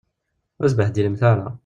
Ur sbehdilemt ara.